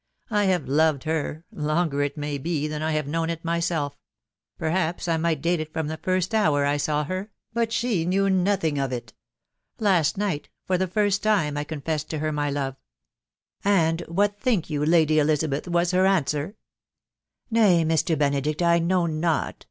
... I have loved her .... longer, it may be, than I have known it myself .... perhaps I might date it from the first hour I saw her, but she knew nothing of it ... Last night, for the first time, I con fessed to her my love. ... And what think you, Lady Eliza beth, was her answer ?"" Nay, Mr, Benedict, I know not.